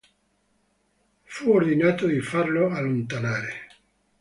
Fu ordinato di farlo allontanare.